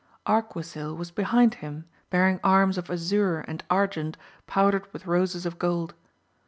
Arquisil was behind him bearing arms of azure and argent powdered with roses of gold.